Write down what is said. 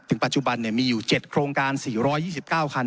ปัจจุบันมีอยู่๗โครงการ๔๒๙คัน